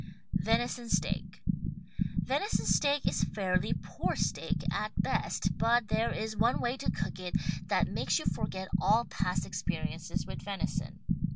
VENISON STEAK Venison steak is fairly poor steak at best. But there is one way to cook it that makes you forget all past [i2o] WRITTEN FOR MEN BY MEN experiences with venison.